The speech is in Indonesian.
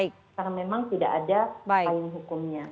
karena memang tidak ada payung hukumnya